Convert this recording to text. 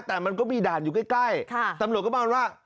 แต่มันก็มีด่านอยู่ใกล้ตำรวจก็ประมาณว่า